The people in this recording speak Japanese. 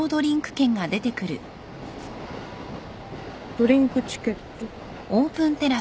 ドリンクチケット。